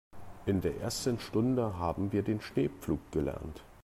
In der ersten Stunde haben wir den Schneepflug gelernt.